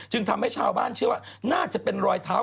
ทำให้ชาวบ้านเชื่อว่าน่าจะเป็นรอยเท้า